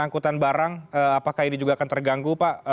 angkutan barang apakah ini juga akan terganggu pak